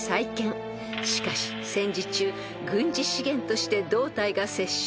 ［しかし戦時中軍事資源として胴体が接収され］